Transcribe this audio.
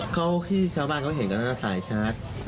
เขาที่ชาวบ้านเขาเห็นสายชาร์จ